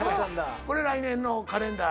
これ来年のカレンダー。